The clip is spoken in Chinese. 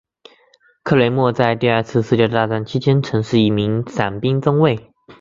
克雷默在第二次世界大战期间曾是一名伞兵中尉。